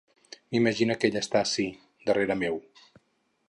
M'imagine que ella està ací, darrere meu.